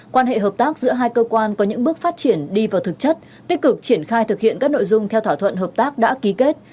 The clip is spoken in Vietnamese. quan hệ hợp tác giữa hai cơ quan có những bước phát triển đi vào thực chất tích cực triển khai thực hiện các nội dung theo thỏa thuận hợp tác đã ký kết